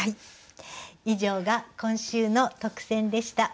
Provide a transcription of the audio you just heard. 以上が今週の特選でした。